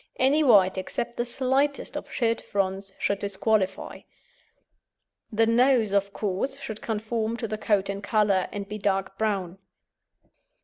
Any white except the slightest of "shirt fronts" should disqualify. The nose of course should conform to the coat in colour, and be dark brown.